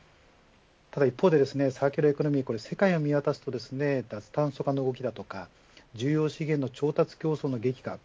一方でサーキュラーエコノミー世界を見渡すと脱炭素化の動きだとか重要資源の調達の激化